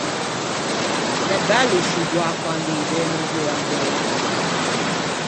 L’é bello scigoâ quando i beu no veuan beive.